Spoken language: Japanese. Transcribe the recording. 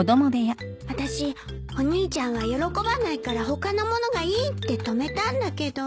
私お兄ちゃんは喜ばないから他の物がいいって止めたんだけど。